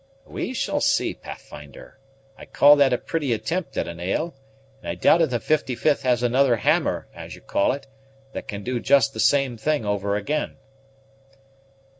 "We shall see, Pathfinder; I call that a pretty attempt at a nail; and I doubt if the 55th has another hammer, as you call it, that can do just the same thing over again."